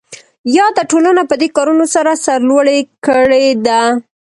یاده ټولنه پدې کارونو سره سرلوړې کړې ده.